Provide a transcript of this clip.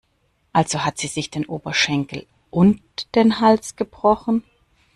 Also hat sie sich den Oberschenkel und den Hals gebrochen?